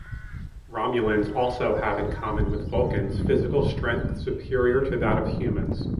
Romulans also have in common with Vulcans physical strength superior to that of humans.